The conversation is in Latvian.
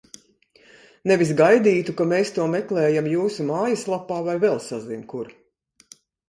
Nevis gaidītu, ka mēs to meklējam jūsu mājaslapā vai vēl sazin kur.